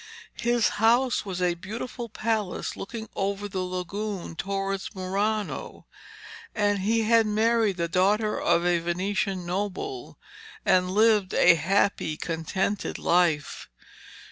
His house was a beautiful palace looking over the lagoon towards Murano, and he had married the daughter of a Venetian noble, and lived a happy, contented life.